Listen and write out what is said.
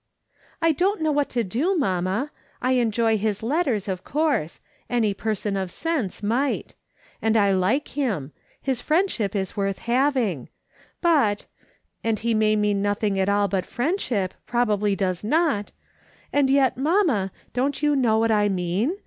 "I don't know what to do, mamma, I enjoy his letters, of course ; any person of sense might ; and I like him ; his friendship is worth having ; but — and he may mean nothing at all but friendship, probably does not ; and yet, mamma, don't you know what I mean